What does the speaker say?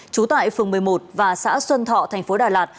trú tại phường một mươi một và xã xuân thọ thành phố đà lạt